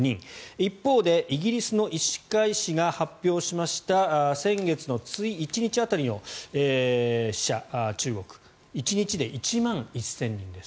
一方でイギリスの医師会誌が発表しました先月の１日当たりの死者、中国１日で１万１０００人です。